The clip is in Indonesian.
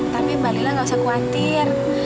tapi mbak nila nggak usah khawatir